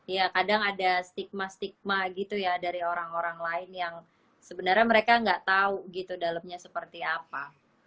ya kadang ada stigma stigma gitu ya dari orang orang lain yang sebenarnya mereka nggak tahu gitu dalamnya seperti apa